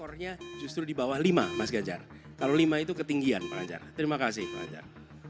skornya justru di bawah lima mas ganjar kalau lima itu ketinggian pak ganjar terima kasih pak ganjar